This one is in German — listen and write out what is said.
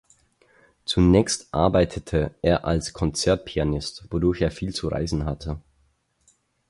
Zunächst arbeitete er als Konzertpianist, wodurch er viel zu reisen hatte.